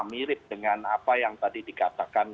mirip dengan apa yang tadi dikatakan